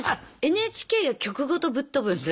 ＮＨＫが局ごとぶっ飛ぶんで。